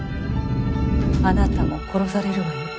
あなたも殺されるわよ。